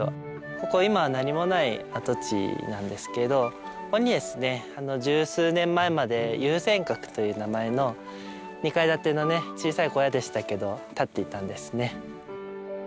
ここ今何もない跡地なんですけどここにですね十数年前まで遊仙閣という名前の２階建てのね小さい小屋でしたけど立っていたんですね。